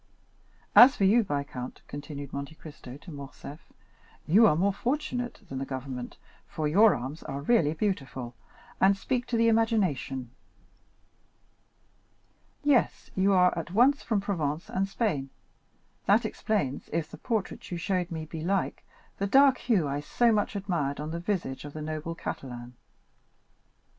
As for you, viscount," continued Monte Cristo to Morcerf, "you are more fortunate than the government, for your arms are really beautiful, and speak to the imagination. Yes, you are at once from Provence and Spain; that explains, if the portrait you showed me be like, the dark hue I so much admired on the visage of the noble Catalan."